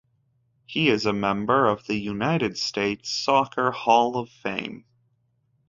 He is a member of the United States Soccer Hall of Fame.